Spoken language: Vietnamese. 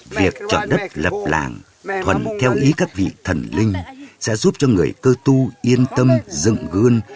việc chọn đất lập làng thuần theo ý các vị thần linh sẽ giúp cho người cơ tu yên tâm dựng gương